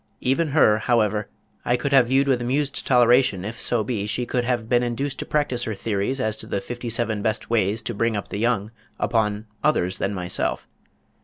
Even her, however, I could have viewed with amused toleration if so be she could have been induced to practice her theories as to the Fifty seven Best Ways To Bring Up The Young upon others than myself.